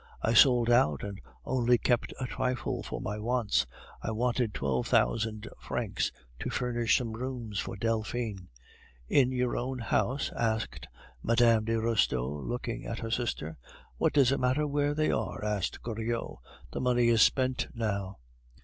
"I sold out, and only kept a trifle for my wants. I wanted twelve thousand francs to furnish some rooms for Delphine." "In your own house?" asked Mme. de Restaud, looking at her sister. "What does it matter where they were?" asked Goriot. "The money is spent now."